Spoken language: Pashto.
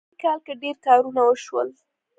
په دې کال کې ډېر کارونه وشول